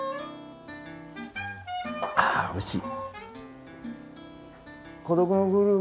あぁおいしい。